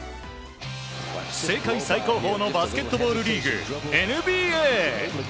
世界最高峰のバスケットボールリーグＮＢＡ。